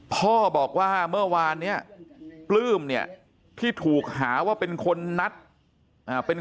พ่อบอกว่าเมื่อวานเนี่ยปลื้มเนี่ยที่ถูกหาว่าเป็นคนนัดเป็น